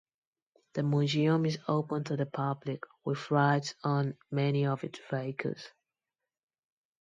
The museum is open to the public, with rides on many of its vehicles.